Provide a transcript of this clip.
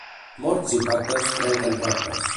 Morts i pactes trenquen tractes.